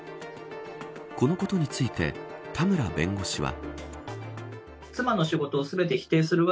このことについて田村弁護士は。